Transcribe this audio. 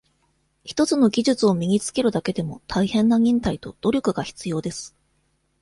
一つの技術を身につけるだけでも、大変な忍耐と、努力が必要です。